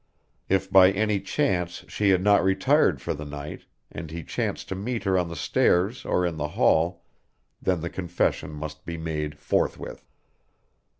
If by any chance she had not retired for the night and he chanced to meet her on the stairs or in the hall then the confession must be made forthwith.